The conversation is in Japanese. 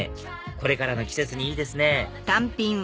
これからの季節にいいですね